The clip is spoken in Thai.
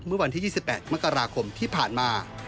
เมื่อวันที่๒๘มกราคมที่ผ่านมา